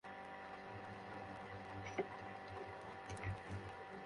একসময় দেখা গেল, পুতুলের মাথা ইন্দিরার হাতে, ঠ্যাং সিদ্ধার্থের হাতে, শরীরটা হাওয়া।